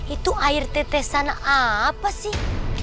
itu air tetesan apa sih